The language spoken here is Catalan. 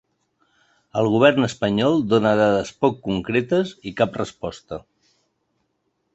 El govern espanyol dóna dades poc concretes i cap resposta.